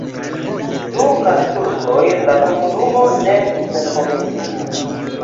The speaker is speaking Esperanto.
Dum la turkoj la komunumo ne senhomiĝis.